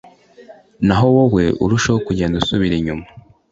naho wowe urusheho kugenda usubira inyuma